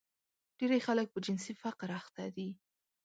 ډېری خلک په جنسي فقر اخته دي.